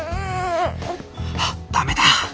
はっダメだ！